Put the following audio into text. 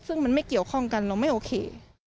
ซึ่งมันไม่เกี่ยวข้องกันเราไม่โอเค